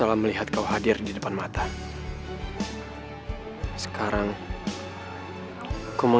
apa langkahmu hidup di luar ini šod municipal